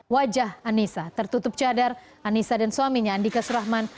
wajah anissa tertutup cadar anissa dan suaminya andika surahman